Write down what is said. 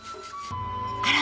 あら？